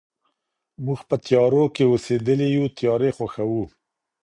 موږ په تيارو كي اوسېدلي يو تيارې خوښـوو